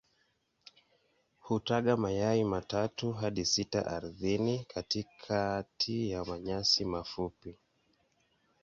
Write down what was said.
Hutaga mayai matatu hadi sita ardhini katikati ya manyasi mafupi.